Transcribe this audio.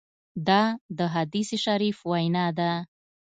دا د حدیث شریف وینا ده.